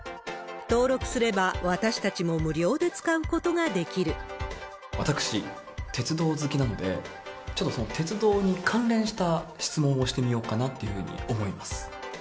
登録すれば、私、鉄道好きなので、ちょっとその鉄道に関連した質問をしてみようかなというふうに思います。